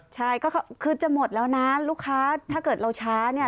ใช่ก็คือจะหมดแล้วนะลูกค้าถ้าเกิดเราช้าเนี่ย